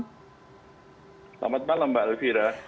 selamat malam mbak elvira